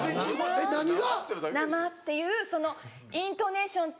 えっ何が？